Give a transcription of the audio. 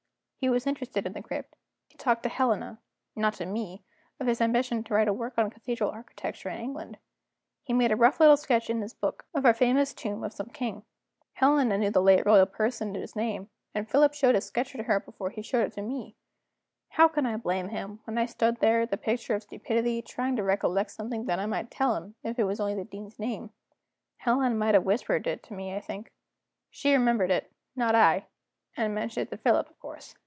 He was interested in the crypt; he talked to Helena (not to me) of his ambition to write a work on cathedral architecture in England; he made a rough little sketch in his book of our famous tomb of some king. Helena knew the late royal personage's name, and Philip showed his sketch to her before he showed it to me. How can I blame him, when I stood there the picture of stupidity, trying to recollect something that I might tell him, if it was only the Dean's name? Helena might have whispered it to me, I think. She remembered it, not I and mentioned it to Philip, of course.